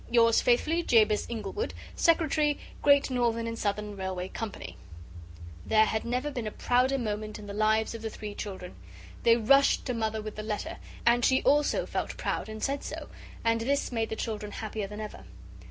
"Yours faithfully, "Jabez Inglewood. "Secretary, Great Northern and Southern Railway Co." There never had been a prouder moment in the lives of the three children. They rushed to Mother with the letter, and she also felt proud and said so, and this made the children happier than ever.